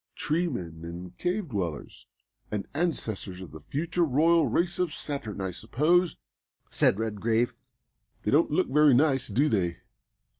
"Tree men and cave dwellers, and ancestors of the future royal race of Saturn, I suppose!" said Redgrave. "They don't look very nice, do they?